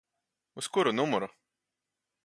Uz kuru numuru?